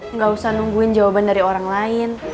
nggak usah nungguin jawaban dari orang lain